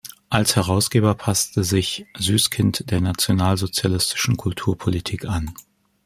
Als Herausgeber passte sich Süskind der nationalsozialistischen Kulturpolitik an.